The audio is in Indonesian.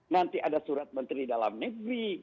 nanti ada surat menteri dalam negeri